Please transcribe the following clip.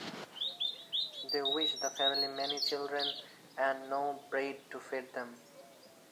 They wish the family many children and no bread to feed them.